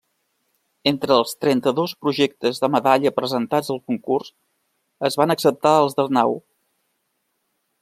Entre els trenta-dos projectes de medalla presentats al concurs, es van acceptar els d'Arnau.